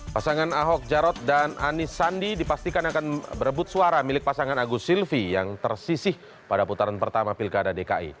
pasangan ahok jarot dan anis sandi dipastikan akan berebut suara milik pasangan agus silvi yang tersisih pada putaran pertama pilkada dki